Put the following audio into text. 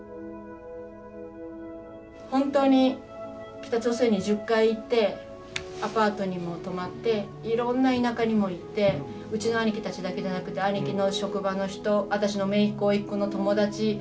本当に北朝鮮に１０回行ってアパートにも泊まっていろんな田舎にも行ってうちの兄貴たちだけじゃなくて兄貴の職場の人私のめいっ子おいっ子の友達。